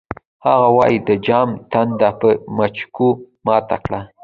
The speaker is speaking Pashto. هغه وایی د جام تنده په مچکو ماته کړئ